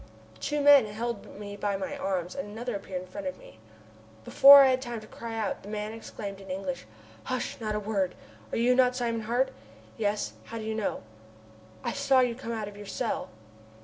Two men held me by the arms, and another appeared in front of me. Before I had time to cry out the man exclaimed in English: "Hush! not a word! Are you not Simon Hart?" "Yes, how did you know?" "I saw you come out of your cell."